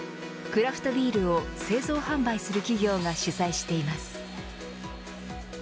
クラフトビールを製造販売する企業が主催しています。